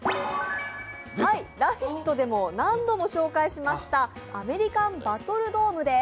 「ラヴィット！」でも何度も紹介しました「アメリカンバトルドーム」です。